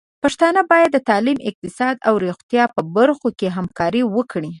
پښتانه بايد د تعليم، اقتصاد او روغتيا په برخو کې همکاري وکړي.